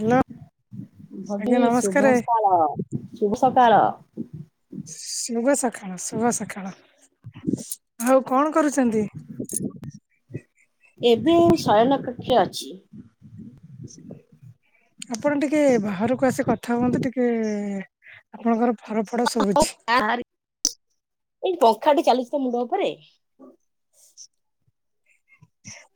Hello ଭଗୀ ଆଜ୍ଞା ନମସ୍କାରେ। ଶୁଭ ସକାଳ। ଶୁଭ ସକାଳ। ଶୁଭ ସଖାଳ। ଶୁଭ ସଖାଳ। ଆଉ କଣ କରୁଚନ୍ତି? ଏବେ ମୁ ଶୟନ କକ୍ଷ ଅଛି। ଆପଣ ଟିକେ ବାହାରକୁ ଆସିି କଥା ହୁଅନ୍ତୁ ଟିକେ ଆପଣଙ୍କର ଫର ଫଡ ଶୁଭୁଛି। ଆଁରେ, ଏଇ ପଙ୍ଖାଟି ଚାଲିଛି ତ ମୁଣ୍ଡ ଉପରେ।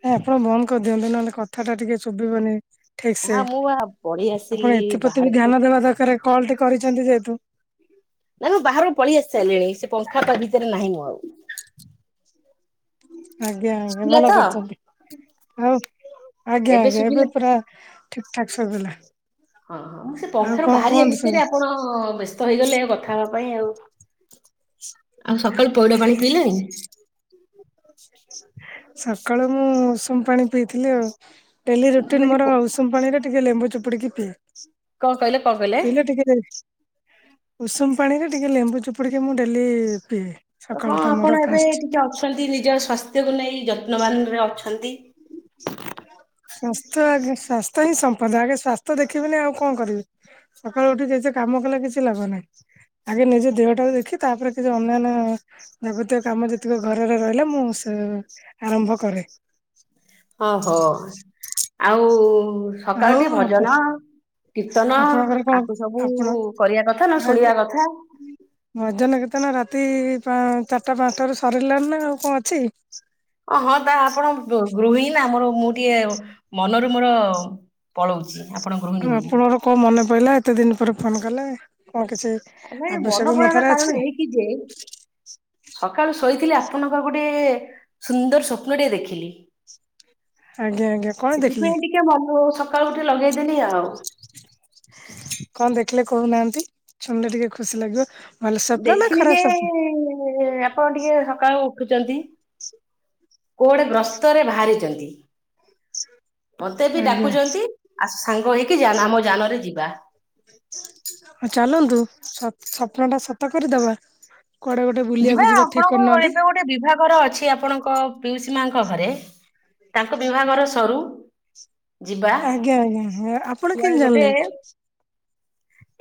ନାଁ ଆପଣ ବନ୍ଦ କରିଦିଅନ୍ତୁ ନହେଲେ କଥା ଟା ଟିକେ ଶୁଭିବନି। ଠିକ୍ ସେ ହଁ ମୁଁ ବା ପଳେଇ ଆସିଲି ଆପଣ ଏଥିପ୍ରତି ବି ବାହାରକୁ। ଧ୍ୟାନ ଦେବା ଦରକାର, କଲ୍ ଟି କରିଚନ୍ତି ଯେହେତୁ। ନା ନା, ମୁଁ ବାହାରକୁ ପଳେଇ ଆସି ସାଇଲିଣି। ସେ ପଙ୍ଖା ତା ଭିତେରେ ନାହିଁ ମୁଁ ଆଉ। ଆଜ୍ଞା ଆଜ୍ଞା। ଶୁଭିଲା ଭଲ ତ କରିଚନ୍ତି। ଆଉ ଆଜ୍ଞା ଆଜ୍ଞା ଏବେ ପୁରା ଠିକ ଠାକ୍ ଶୁବିଲା। ହଁ ହଁ ମୁଁ ସେ ପଙ୍ଖାରୁ ବାହାରିଆ ସବୁ ଭିତରେ ଆପଣ ବ୍ୟସ୍ତ ହେଇଗଲେ କଥା ହବା ପାଇଁ ଆଉ। ଆଉ ସକାଳୁ ପଇଡ ପାଣି ପିଇଲେଣି [inaudible] ସକାଳୁ ମୁଁ ଉଷୁମ ପାଣି ପିଇଥିଲି ଆଉ। ଡେଲି ମୁଁ ରୁଟିନ କହିଲି ମୋର ଉଷୁମ ପାଣି ରେ ଟିକେ ଲେମ୍ବୁ ଚୁପୁଡ଼ିକି ପିଏ। କଣ କହିଲେ କଣ କହିଲେ? ପିଇଲେ ଟିକେ ଉଷୁମ ପାଣିରେ ଟିକେ ଲେମ୍ବୁ ଚୁପୁଡି କି ମୁଁ ଡେଲି ପିଏ। ସକାଳ ହଁ ଟା ମୋର ଆପଣ ଏବେ ଫାଷ୍ଟ। ଟିକେ ଅଛନ୍ତି ନିଜ ସ୍ୱାସ୍ଥ୍ୟକୁ ନେଇ ଯତ୍ନବାନରେ ଅଛନ୍ତି। ସ୍ୱାସ୍ଥ୍ୟ ଆଗେ ସ୍ଵାସ୍ଥ୍ୟ ହିଁ ସମ୍ପଦ ଆଗେ ସ୍ୱା ତ ଦେଖିବିନି ଆଉ କଣ କରିବି ସକାଳୁ ଉଠିକିଛି କାମ କଲେ କିଛି ଲାଭ ନାହିଁ। ଆଗେ ନିଜ ଦେହଟାକୁ ଦେଖିବ ତାପରେ କିଛି ଅନ୍ୟାନ୍ୟ ଯାବତୀଅ କାମ ଯେତିକ ଘରରେ ରହିଲା ମୁଁ ସେ ଆରମ୍ଭ କରେ। ଓହୋ ଆଉ ଆଉ ସକାଳେ ଟିକେ ଆପ ଭଜନ କୀର୍ତ୍ତନ ଆପଣଙ୍କର କଣ ଆକୁ ସବୁ ଆପଣ କରିଆ କଥା ନହେଲେ ଆଗେ ଶୁଣିଆ କଥା। ଭଜନ କୀର୍ତ୍ତନ ରାତି ପା ଚାରିଟା ପାଞ୍ଚଟା ରୁ ସରିଲାଣି ନା ଆଉ କଣ ଅଛି। ହଁ ତା ଆପଣ ଗୁ ଗୃହିଣୀ ନା ମୋର ମୁଁ ଟିକେ ମନରୁ ମୋର ପଳଉଛି ଆପଣ ଗୃହିଣୀ ବୋଲି। ଆପଣଙ୍କର କଣ ମନେ ପଇଲା ଏତେ ଦିନ ପରେ ଫୋନ୍ କଲେ। କଣ କିଛି ନାଇଁ ଆବଶ୍ୟକ ମନ ମୋ ପଡିଆର ଠାରେ ଅଛି କାରଣ ଏହିକି ଯେ ସକାଳୁ ଶୋଇଥିଲି ଆପଣଙ୍କ ଗୋଟିଏ ସୁନ୍ଦର ସ୍ୱପ୍ନ ଟିଏ ଦେଖିଲି। ଆଜ୍ଞା ଆଜ୍ଞା କଣ ସେଥିପାଇଁ ଦେଖିଲେ? ଟିକେ ମନୁ ସକାଳୁ ଉଠି ଲଗେଇଦେଲି ଆଉ। କଣ ଦେଖିଲେ କହୁନାହାନ୍ତି ଶୁଣିଲେ ଟିକେ ଖୁସି ଲାଗିବ। ଭଲ ସ୍ୱପ୍ନ ନା ଦେଖିନି ଖରାପ ଯେ ସ୍ୱପ୍ନ ଆପଣ ଟିକେ ସକାଳୁ ଉଠୁଛନ୍ତି। କୁଆଡେ ଗ୍ରସ୍ତରେ ବାହାରିଚନ୍ତି ମତେ ବି ଆଜ୍ଞା ଡାକୁଚନ୍ତି। ଆସ ସାଙ୍ଗ ହେଇକି ଯାନା ଆମ ଯାନରେ ଯିବା। ଚାଲନ୍ତୁ ସପ ସପ୍ନ ଟା ସତ କରିଦବା କୁଆଡେ ଗୋଟେ ବୁଲିଆକୁ ଯିବା ଠିକ ଆପଣଙ୍କ ଘରେ କରୁନାହାନ୍ତି? ଏବେ ଗୋଟେ ବିଭାଗର ଅଛି ଆପଣଙ୍କ ପିଉସୀ ମାଙ୍କ ଘରେ। ତାଙ୍କ ବିଭାଘର ସରୁ। ଯିବା ଆଜ୍ଞା ଆଜ୍ଞା ହଁ ଆପଣ କୁଆଡେ କେମିତି ଗୋଟେ ଜାଣିଲେ?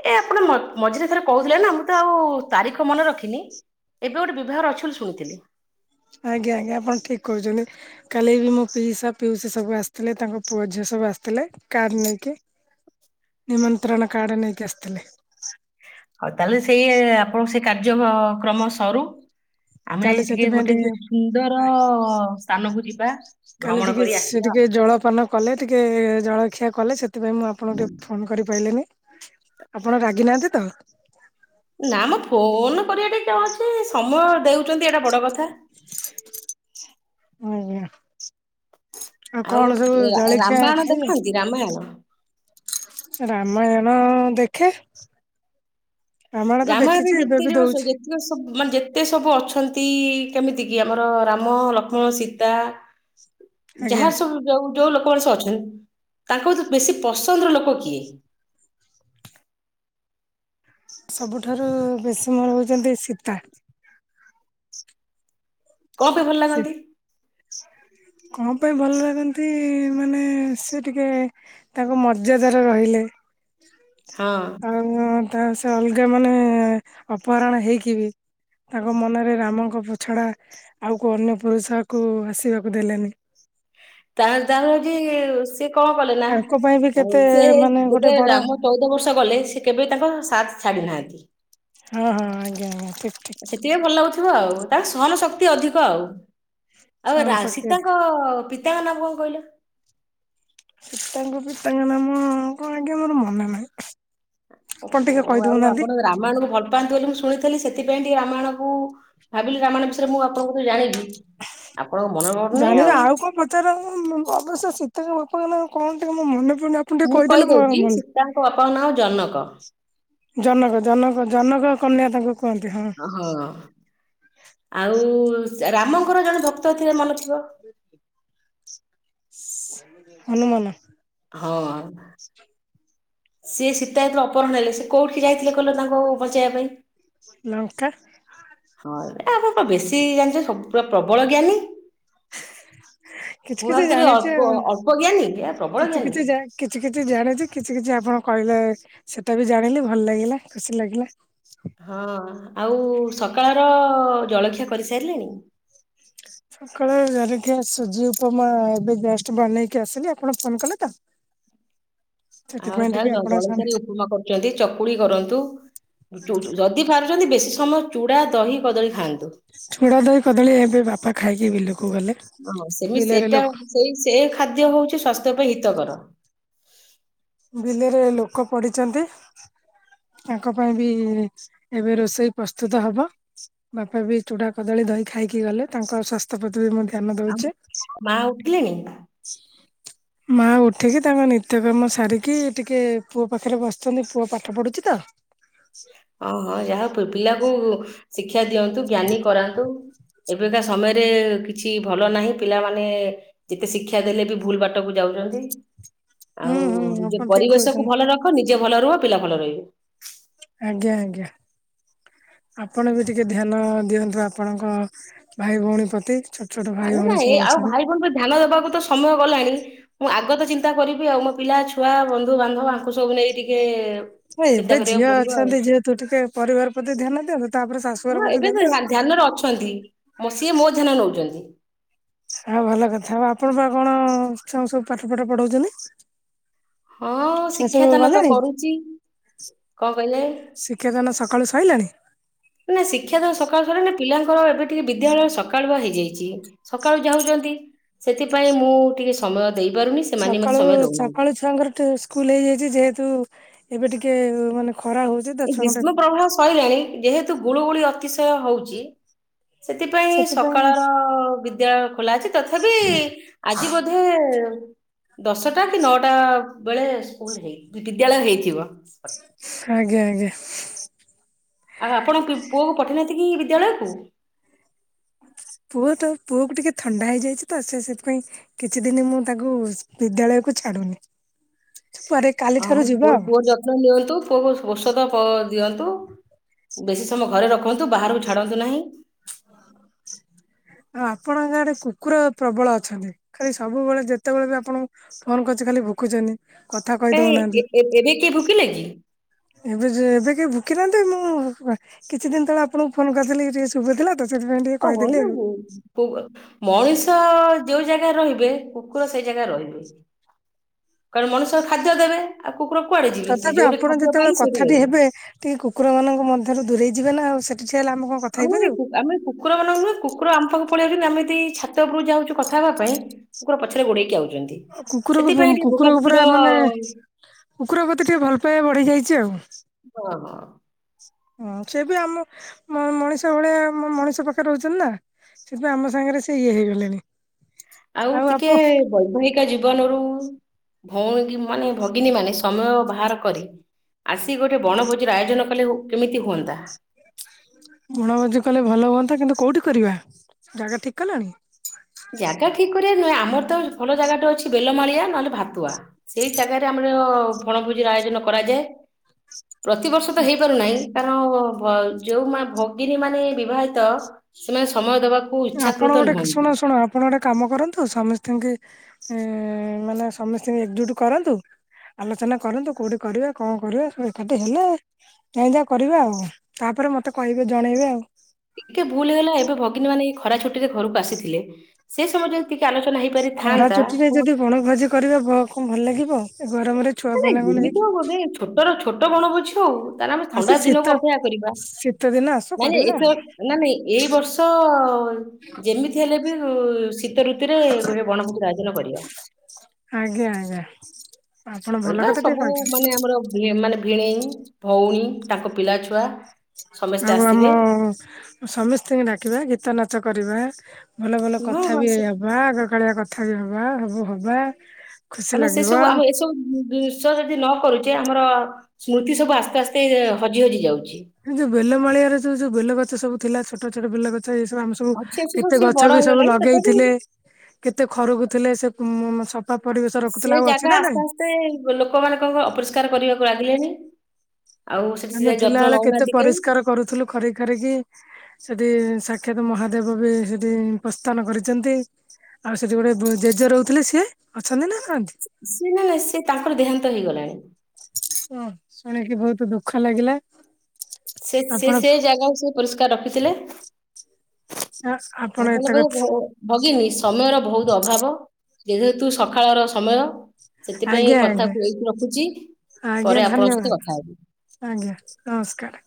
ଏ ଆପଣ ମ ମଝିରେ ଥରେ କହୁଥିଲେ ନା ମୁଁ ତ ଆଉ ତାରିଖ ମନେ ରଖିନି। ଏବେ ଗୋଟେ ବିଭାଘର ଅଛି ବୋଲି ଶୁଣିଥିଲି। ଆଜ୍ଞା ଆଜ୍ଞା ଆପଣ ଠିକ କରୁଚନ୍ତି। କାଲି ବି ମୋ ପିଇସା ପିଉସି ସବୁ ଆସିଥିଲେ ତାଙ୍କ ପୁଅ ଝିଅ ସବୁ ଆସିଥିଲେ କାର ନେଇକି। ନିମନ୍ତ୍ରଣ କାର୍ଡ ନେଇକି ଆସିଥିଲେ। ହଉ ତାହେଲେ ସେଇ ଆପଣଙ୍କ ସେ କାର୍ଯ୍ୟକ୍ରମ ସରୁ। ଆମେ କାଲି ଟିକେ ସେଥିପାଇଁ ଗୋଟେ ସୁନ୍ଦର ସ୍ଥାନକୁ ଯିବା। କାଲି ଭ୍ରମଣ ଟିକେ କରି ସେ ଆସିବା ଟିକେ ଜଳପାନ କଲେ ଟିକିଏ ଜଳଖିଆ କଲେ ସେଥିପାଇଁ ମୁଁ ଆଉ। ଆପଣଙ୍କୁ ଟିକିଏ ଫୋନ କରିପାଇଲିନି। ଆପଣ ରାଗିନାହାନ୍ତି ତ। ନା ମ ଫୋନ କରିବା ଟା କଣ ଅଛି ସମୟ ଦେଉଛନ୍ତି ଏଇଟା ବଡ କଥା। ଆଜ୍ଞା। ଆଉ ଆଉ କଣ ସବୁ ରା- ଜଳଖିଆ ରାମାୟଣ ଖାଇଲେ। ଦେଖନ୍ତି ରାମାୟଣ ରାମାୟଣ ଦେଖେ। ରାମାୟଣ ତ ରାମାୟଣରେ ଦେଖିଛି ଏବେ ଯେତେ ବି ଜଣ ସ- ଦଉଛି। ଯେତିକ ସବୁ ମାନେ ଯେତେ ସବୁ ଅଛନ୍ତି କେମିତି କି ଆମର ରାମ ଲକ୍ଷ୍ମଣ ସୀତା। ଆଜ୍ଞା। ଯାହା ସବୁ ଯୋଉ ଯୋଉ ଲୋକ ମଣିଷ ଅଛନ୍ତି ତାଙ୍କ ଭିତରୁ ବେଶୀ ପସନ୍ଦର ଲୋକ କିଏ? ସବୁଠାରୁ ବେଶୀ ମୋର ହଉଛନ୍ତି ସୀତା। କଣ ପାଇଁ ଭଲ ସେ ଲାଗନ୍ତି? କଣ ପାଇଁ ଭଲ ଲାଗନ୍ତି ମାନେ ସେ ଟିକେ ତାଙ୍କ ମର୍ଯ୍ୟାଦାରେ ରହିଲେ। ହଁ। କାରଣ ତା ସେ ଅଲଗା ମାନେ ଅପହରଣ ହେଇକି ବି ତାଙ୍କ ମନରେ ରାମଙ୍କ ପ-ଛଡ଼ା ଆଉ କୋଉ ଅନ୍ୟ ପୁରୁଷକୁ ଆସିବାକୁ ଦେଲେନି। କାରଣଟା ହୋଉଚି ସିଏ କଣ କଲେ ନା ତାଙ୍କ ପାଇଁ ବି ଆ କେତେ ସିଏ ମାନେ ଗୋଟେ ଯେବେ ବଡ ରାମ ଚୋଉଦ ବର୍ଷ ଗଲେ ସିଏ କେବେ ତାଙ୍କ ସାଥ ଛାଡିନାହାନ୍ତି। ହଁ ହଁ ଆଜ୍ଞା ଆଜ୍ଞା ଠିକ ଠି ଆ ସେଥିପାଇଁ ଭଲ ଲାଗୁଥୁବ ଆଉ କାରଣ ସହନ ଶକ୍ତି ଅଧିକ ଆଉ। ଆଉ ଏ ସ୍ୱୟଂ ଶକ୍ତି ଅଧିକା ରା-ସୀତାଙ୍କ ପିତାଙ୍କ ନାମ କଣ କହିଲେ? ସୀତାଙ୍କ ପିତାଙ୍କ ନାମ କଣ ଆଜ୍ଞା ମୋର ମନେ ନାହିଁ। ଆପଣ ଓହୋ ଟିକେ କହି ଆଉ ଆପଣ ଦୋଉନାହାନ୍ତି। ରାମାୟଣକୁ ଭଲ ପାଆନ୍ତି ବୋଲି ମୁଁ ଶୁଣିଥିଲି ସେଥିପାଇଁ ଟିକେ ରାମାୟଣକୁ ଭାବିଲି ରାମାୟଣ ବିଷୟରେ ମୁଁ ଆପଣଙ୍କଠୁ ଜାଣିବି ଆପଣଙ୍କ ମନର ପଡୁ ନେଇଁ ଆଉ। ସେରା ଉଁମ ଅବଶ୍ୟ ସୀତାଙ୍କ ବାପାଙ୍କ ନାଁ କଣ ଟିକେ ମୋର ମନେ ପଡୁନି ଆପଣ ଟିକେ କହିଦେଲେ ମୋର ମ ତାଙ୍କ ବାପାଙ୍କ ନାମ ଜନକ। ଜନକ ଜନକ ଜନକ କନ୍ୟା ତାଙ୍କୁ କୁହନ୍ତି ହଁ। ଅହଁ ଆଉ ସ୍ ରାମଙ୍କର ଜଣେ ଭକ୍ତ ଥିଲେ ମନଥିବ। ସ୍ ହନୁମାନ। ହଁ। ସିଏ ସୀତା ଯେତେଳେ ଅପହରଣ ହେଲେ ସେ କୋଉଠିକି ଯାଇଥିଲେ କହିଲ ତାଙ୍କୁ ବଞ୍ଚେଇବା ପାଇଁ? ଲଙ୍କା ହଁ ଏ ଆପଣ ପା ବେଶୀ ଜାଣିଚନ୍ତି ସବୁ ପୁରା ପ୍ରବଳ ଜ୍ଞାନୀ। କିଛି ମୁଁ କିଛି ଭାବୁଥିଲି ଜାଣିଛି ଅଳ୍ପ ଆଉ। ଅଳ୍ପ ଜ୍ଞାନୀ ଏ ପ୍ରବଳ କିଛି ଜ୍ଞାନୀ। କିଛି ଜା କିଛି କିଛି ଜାଣିଚି କିଛି କିଛି ଆପଣ କହିଲେ ସେଟା ବି ଜାଣିଲି ଭଲ ଲାଗିଲା ଖୁସି ଲାଗିଲା। ହଁ ଆଉ ସକାଳର ଜଳଖିଆ କରି ସାରିଲେଣି? ସକାଳର ଜଳଖିଆ ସୁଜି ଉପମା ଏବେ ଜଷ୍ଟ ବନେଇକି ଆସିଲି ଆପଣ ଫୋନ କଲେ ତ। ଆଉ ସେଥିପାଇଁ ଟିକେ ଯାହୋଉ ଆପଣ ସାଙ୍ଗେ ଜ-ଜଳଖିଆରେ ଉପମା କରୁଚନ୍ତି ଚକୁଲି କରନ୍ତୁ ଉଁ ଚୁ-ଚୁ-ଯଦି ପାରୁଚନ୍ତି ବେଶୀ ସମୟ ଚୁଡ଼ା, ଦହି, କଦଳୀ ଖାଆନ୍ତୁ। ଚୁଡ଼ା, ଦହି, କଦଳୀ ଏବେ ବାପା ଖାଇକି ବିଲକୁ ଗଲେ। ହଁ ସେମି ବିଲରେ ସେଟା ଲୋକ ସେଇ ସେ ଖାଦ୍ୟ ହୋଉଚି ସ୍ୱାସ୍ଥ୍ୟ ପାଇଁ ହିତକାର। ବିଲରେ ଲୋକ ପଡ଼ିଚନ୍ତି। ତାଙ୍କ ପାଇଁ ବି ଏବେ ରୋଷେଇ ପ୍ରସ୍ତୁତ ହବ। ବାପା ବି ଚୁଡା କଦଳୀ ଦହି ଖାଇକି ଗଲେ ତାଙ୍କ ସ୍ୱାସ୍ ତ୍ୟ ପ୍ରତି ବି ମୁଁ ଧ୍ୟାନ ଆଉ ଦୋଉଛି। ମା ଉଠିଲେଣି? ମାଆ ଉଠିକି ତାଙ୍କ ନିତ୍ୟକର୍ମ ସାରି କି ଟିକେ ପୁଅ ପାଖରେ ବସଚନ୍ତି ପୁଅ ପାଠ ପଢୁଚି ତ। ଓହୋ ଯାହା ହୋଉ ପୁ-ପିଲାକୁ ଶିକ୍ଷା ଦିଅନ୍ତୁ ଜ୍ଞାନୀ କରାନ୍ତୁ। ଏବେକା ସମୟରେ କିଛି ଭଲ ନାହିଁ ପିଲାମାନେ ଯେତେ ଶିକ୍ଷା ଦେଲେ ବି ଭୁଲ ବାଟକୁ ଯାଉଚନ୍ତି। ହୁଁ ଆଉ ହୁଁ ନିଜ ଆପଣ ଠିକ ପରିବେଶକୁ କହୁଛନ୍ତି ଭଲ ରଖ ନିଜେ ଭଲ ରୁହ ପିଲା ଭଲ ରହିବେ। ଆଜ୍ଞା ଆଜ୍ଞା। ଆପଣ ବି ଟିକେ ଧ୍ୟାନ ଦିଅନ୍ତୁ ଆପଣଙ୍କ ଭାଇ ଭୋଉଣୀ ପ୍ରତି ଛୋ ଆରେ ନାଇଁ ଆଉ ଭାଇ ଭୋଉଣୀଙ୍କୁୁ ଧ୍ୟାନ ଦବାକୁ ତ ସମୟ ଗଲାଣି ମୁଁ ଆଗତ ଚିନ୍ତା କରିବି ଆଉ ମୋ ପିଲା, ଛୁଆ, ବନ୍ଧୁ, ବାନ୍ଧବ ଆଙ୍କୁ ସବୁ ନେଇ ଟିକେ ଚିନ୍ତା କରିବାକୁ ପଡିବ ଆଉ। ଆଗ ଟିକେ ପରିବାର ପ୍ରତି ଧ୍ୟାନ ଦିଅନ୍ତୁ ତାପରେ ଶା ହଁ ଏବେ ସେ ଧ୍ୟା ଧ୍ୟାନରେ ଅଛନ୍ତି ମୋ ସିଏ ମୋ ଧ୍ୟାନ ରେ ନଉଛନ୍ତି। ଆଉ ଭଲ କଥା ଆଉ ଆପଣ ପା କଣ ଛୁଆ କୁ ସବୁ ପାଠ ପାଠ ପଢଉଚନ୍ତି। ହଁ ଶିକ୍ଷାଦାନ ତ ଗଲେଣି? କରୁଚି କଣ କହିଲେ। ଶିକ୍ଷାଦାନ ସକାଳୁ ସଇଲାଣି। ନା ଶିକ୍ଷା ଦାନ ସକାଳୁ ସରିନି ପିଲାଙ୍କର ଏବେ ଟିକେ ବିଦ୍ୟାଳୟ ସକାଳୁଆ ହେଇଯାଇଚି। ସକାଳୁ ଯାଉଚନ୍ତି ସେଥିପାଇଁ ମୁଁ ଟିକେ ସ ସମୟ ଦେଇପାରୁନି। ସେମାନେ ମତେ ସକାଳୁ ସମୟ ଦଉନାହାନ୍ତି। ସକାଳୁ ଛୁଆଙ୍କର ଟିଉ ସ୍କୁଲ ହେଇଯାଇଚି ଯେହେତୁ ଏବେ ଟିକେ ମାନେ ଖରା ହଉ ଏ ଗ୍ରୀଷ୍ମ ପ୍ରବାହ ସଇଲାଣି ଯେହେତୁ ଗୁଳୁଗୁଳି ଅତିଶୟ ହଉଚି। ସେଥିପାଇଁ ସକାଳର ବିଦ୍ୟାଳୟ ଖୋଲା ଅଛି ତଥାପି ଆଜି ବୋଧେ ଦଶଟା କି ନଅଟା ବେଳେ ସ୍କୁଲ ହେଇ ବିଦ୍ୟାଳୟ ହେଇଥିବ। ଆଜ୍ଞା ଆଜ୍ଞା। ଆଉ ଆପଣ ପି ପୁଅକୁ ପଠେଇନାହାନ୍ତି କି ବିଦ୍ୟାଳୟକୁ। ପୁଅ ତ ପୁଅ କୁ ଟିକେ ଥଣ୍ଡା ହେଇଯାଇଚି ତ ସେ ସେଥିପାଇଁ କିଛି ଦିନ ମୁଁ ତାକୁ ସ୍କୁ ବିଦ୍ୟାଳୟକୁ ଛାଡୁନି ପରେ କାଲି ହଁ ଠାରୁ ପୁଅ ଯିବ ଆଉ। [unintelligible] ନିଅନ୍ତୁ ପୁଅ କୁ ଔଷଧ ପ ଦିଅନ୍ତୁ। ବେଶୀ ସମୟ ଘରେ ରଖନ୍ତୁ ବାହାରକୁ ଛାଡ଼ନ୍ତୁ ନାହିଁ। [inaudible] ଆଉ ଆପଣଙ୍କ ଗାଁରେ କୁକୁର ପ୍ରବଳ ଅଛନ୍ତି ଖାଲି ସବୁବେଳେ ଯେତେବେଳେ ବି ଆପଣଙ୍କୁ ଫୋନ କରୁଚି ଖାଲି ଭୁକୁଚନ୍ତି। ନାଇଁ ଏ ଏବେ କିଏ ଭୁକିଲେ କି? ଏବେ ଯେ ଏବେ କେହି ଭୁକିନାହାନ୍ତି ମୁଁ ବେ କିଛି ଦିନି ତଳେ ଆପଣଙ୍କୁ ଫୋନ କରିଥିଲି ଟିକେ ଶୁଭୁ ଥିଲା ତ ସେଥିପାଇଁ ଟିକେ ଓହୋ କହିଦେଲି ଏ ଆଉ। କୁ ମଣିଷ ଯୋଉ ଜାଗାରେ ରହିବେ କୁକୁର ସେଇ ଜାଗାରେ ରହିବେ। କାରଣ ମଣିଷ ଖାଦ୍ୟ ଦେବେ ଆଉ କୁକୁର କୁଆଡେ ଯିବେ ସେ ତଥାପି ଯୋଉଠି ଆପଣ ଖାଦ୍ୟ ଯେତେବେଳେ ପାଇଲେ ସେଇଠି କଥାଟି ରହିଲେ। ହେବେ ଟିକେ କୁକୁରମାନଙ୍କ ମଧ୍ୟରୁ ଦୂରେଇ ଯିବେ ନା ଆଉ ସେଠି ଠିଆ ହେଲେ ଆମେ କଣ କଥା ଆମେ ହେଇପାରିବୁ। କୁ ଆମେ କୁକୁର ମାନଙ୍କୁ ନୁହେ କୁକୁର ଆମ ପାଖକୁ ପଳେଇ ଆଉଚନ୍ତି ଆମେ ଦି ଛାତ ଉପରୁକୁ ଯାଉଛୁ କଥା ହବା ପାଇଁ କୁକୁର ପଛରେ ଗୋଡେଇକି ଆଉଚନ୍ତି। କୁକୁରକୁ ପୁ କୁକୁରକୁ ପୁରା ମାନେ କୁକୁର ପ୍ରତିି ଟିକେ ଭଲ ପାଇବା ବଢ଼ି ଯାଇଚି ଆଉ। ହଁ ହଁ। ହୁଁ ସେ ବି ଆମ ମ ମଣିଷ ଭଳିଆ ମ ମଣିଷ ପାଖରେ ରହୁଚନ୍ତି ନା। ସେଥି ପାଇଁ ଆମ ସାଙ୍ଗରେ ସେ ଇଏ ହେଇଗଲେଣି। ଆଉ ଟିକେ ବୈବାହିକ ଜୀବନରୁ ଭଉଣୀ ମାନେ ଭଗିନୀ ମାନେ ସମୟ ବାହାର କରି ଆସିକି ଗୋଟେ ବଣଭୋଜିର ଆୟୋଜନ କଲେ ହୁ କେମିତି ହୁଅନ୍ତା। ବଣଭୋଜି କଲେ ଭଲ ହୁଅନ୍ତା କିନ୍ତୁ କୋଉଠି କରିବା ଜାଗା ଠିକ୍ କଲଣି। ଜାଗା ଠିକ୍ କରିବା ନୁହେଁ ଆମର ତ ଭଲ ଜାଗାଟେ ଅଛି ବେଲମାଳିଆ ନହେଲେ ଭାତୁଆ। ସେଇ ଜାଗାରେ ଆମର ବଣଭୋଜିର ଆୟୋଜନ କରାଯାଏ ପ୍ରତିବର୍ଷ ତ ହେଇପାରୁନାହିଁ। କାରଣ ଭ ଯୋଉମା ଭଗିନୀ ମାନେ ବିବାହିତ ସେମାନେ ସମୟ ଦେବା ଆପଣ ଗୋଟେ କ ଶୁଣ ଶୁଣ ଆପଣ ଗୋଟେ କାମ କରନ୍ତୁ ସମିସ୍ତିଙ୍କି ମାନେ ସମସ୍ତିଙ୍କି ଏକଜୁଟ କରନ୍ତୁ। ଆଲୋଚନା କରନ୍ତୁ କୋଉଠି କରିବା କଣ କରିବା ସବୁ ଏକାଠି ହେଲେ ତାଇଁ ଯା କରିବା ଆଉ ତାପରେ ମତେ କହିବେ ଜଣେଇବେ ଆଉ। ଟିକେ ଭୁଲ ହେଇଗଲା ଏବେ ଭଗିନୀ ମାନେ ଏଇ ଖରା ଛୁଟି ରେ ଘରକୁ ଆସିଥିଲେ ସେ ସମୟ ଯ ଦି ଟିକେ ଆଲୋଚନା ହେଇପାରିଥାନ୍ତା ବଣ ଭୋଜି କରିବା କା କଣ ଭଲ ଲାଗିବ ଏ ଗରମରେ। ଛୁଆ ମାନେ ପିଲାଙ୍କୁ ନେଇକି। ଏମିତି ଆଉ ବଧେ ଛୋଟ ର ଛୋଟ ବଣ ଭୋଜି ହଉ ତାହେଲେ ଆମେ ଆସ ଥଣ୍ଡା ଶୀତ ଦିନକୁ ଅପେକ୍ଷା କରିବା। ଶୀତ ଦିନ ଆସୁ ନାଇଁ ନାଇଁ କରିବା। ଏଥର ନା ନାଇଁ ଏଇ ବର୍ଷ-ଅ-ଅ-ଅ-ଅ ଯେମିତି ହେଲେ ବି-ଇ-ଇ-ଇ ଶୀତ ଋତୁରେ ଗୋଟେ ବଣଭୋଜି ଆୟୋଜନ କରିବା। ଆଜ୍ଞା ଆଜ୍ଞା। ଆପଣ ଭଲ କରିବା କଥା ଟିକେ ସବୁ କହିଛନ୍ତି ମାନେ ଆମର ଏ ମାନେ ଭିଣେଇ, ଭଉଣୀ ତାଙ୍କ ପିଲାଛୁଆ। ଆଉ ଆମ-ଅ-ଅ-ଅ ସମସ୍ତେଙ୍କୁ ଡାକିବା ଗୀତ ନାଚ କରିବା। ଭଲ ଭଲ ହଁ କଥା ହଁ ବି ସେ ହବା ଆଗ କାଳିଆ କଥା ବି ହବା ସବୁ ହବା। ଖୁସି କାରଣ ସେ ଲାଗିବ। ସବୁ ଆମ ଏସବୁ-ଉ-ଉ-ଉ ଷ ଯଦି ନ କରୁଛେ ଆମର-ଅ-ଅ ସ୍ମୃତି ସବୁ ଆସ୍ତେ ଆସ୍ତେ ହଜି ହଜି ଯାଉଛି। ଏଇ ଯୋଉ ବେଲମାଳିଆରେ ଯେ ଯୋଉ ବେଲ ଗଛ ସବୁ ଥିଲା ଛୋଟ ଛୋଟ ବେଲ ଗଛ ଏଇ ସବୁ ଆମ ସ ବୁ ଅଛି ଅଛି ସବୁ କେତେ ସେ ଗଛ ବଡ ବି ସବୁ ହେଇଗଲାଣି ତଥାପି ଲଗେଇଥିଲେ। କେତେ ଖରକୁ ଥିଲେ। ସେ ଉ-ଉ-ଉମ୍ ସଫା ପରିବେଶ ରଖୁଥିଲେ ଆଉ ଅଛି ନା ନାଇଁ? ତେ ଲୋକମାନାନଙ୍କ ଅପରିଷ୍କାର କରିବାକୁ ଲାଗିଲେଣିି। ଆଉ ସେଠି ସେ ଆମେ ଯ ଯତ୍ନ ଥିଲାବେଳେ କେତେ ନଉନାହାନ୍ତି କେଇ। ପରିଷ୍କାର କରୁଥିଲୁ ଖରେଇ ଖାରିକି। ସେଠି ସାକ୍ଷାତ ମହାଦେବ ବି ସେଠି ପ୍ରସ୍ଥାନ କରିଛନ୍ତି। ଆଉ ସେଠି ଗୋଟେ ବ ଜେଜେ ରହୁଥିଲେ ସିଏ ଅଛନ୍ତି ନା ନାହାନ୍ତି? ସିଏ ନା ସିଏ ତାଙ୍କର ଦେହାନ୍ତ ହେଇଗଲାଣି। ଓ ଶୁଣିକି ବହୁତ ଦୁଃଖ ଲାଗିଲା। ସେ ସେ ଆପଣ ସେ ଜାଗାକୁ ସେ ପରିଷ୍କାର ରଖିଥିଲେ। ହଁ। ହଁ ତାଲେ ବ ଭ-ଓ ଭଗିନୀ ସମୟର ବହୁତ ଅଭାବ। ଯେହେତୁ ସକାଳର ସମୟ ସେଥିପାଇଁ ଆଜ୍ଞା ଆଜ୍ଞା କଥାକୁୁ ଏଇଠି ରଖୁଛି ଆଜ୍ଞା ପରେ ଆପଣଙ୍କ ଧନ୍ୟବାଦ ସହିତ କଥା ହେବି। ଆଜ୍ଞା ନମସ୍କାର।